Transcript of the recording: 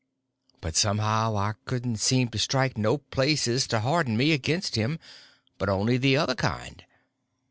But somehow I couldn't seem to strike no places to harden me against him, but only the other kind.